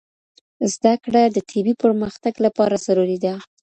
زده کړه د طبي پرمختګ لپاره ضروری ده.